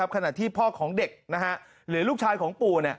ขณะที่พ่อของเด็กหรือลูกชายของปู่